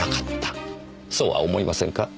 そうは思いませんか？